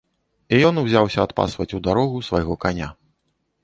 І ён узяўся адпасваць у дарогу свайго каня.